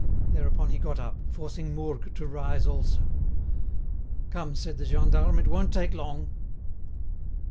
Thereupon he got up, forcing Mourgue to rise also. "Come," said the gendarme. "It won't take long."